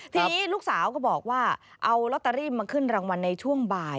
ทีนี้ลูกสาวก็บอกว่าเอาลอตเตอรี่มาขึ้นรางวัลในช่วงบ่าย